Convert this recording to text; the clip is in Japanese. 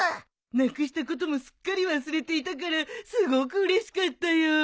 なくしたこともすっかり忘れていたからすごくうれしかったよ。